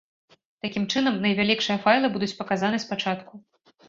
Такім чынам, найвялікшыя файлы будуць паказаны спачатку.